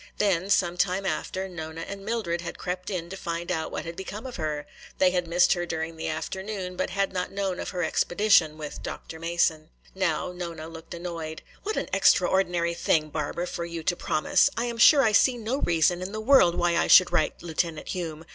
Then, some time after, Nona and Mildred had crept in to find out what had become of her. They had missed her during the afternoon, but had not known of her expedition with Dr. Mason. Now Nona looked annoyed. "What an extraordinary thing, Barbara, for you to promise! I am sure I see no reason in the world why I should write Lieutenant Hume.